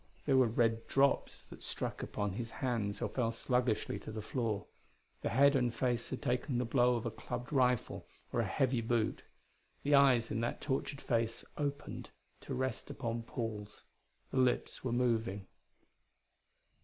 There were red drops that struck upon his hands or fell sluggishly to the floor; the head and face had taken the blow of a clubbed rifle or a heavy boot. The eyes in that tortured face opened to rest upon Paul's, the lips were moving.